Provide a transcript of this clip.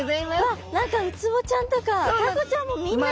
あっ何かウツボちゃんとかタコちゃんもみんないる。